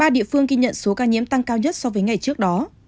ba địa phương ghi nhận số ca nhiễm tăng cao nhất so với ngày trước đó